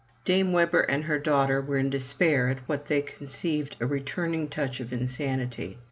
Dame Webber and her daughter were in despair at what they conceived a returning touch of insanity.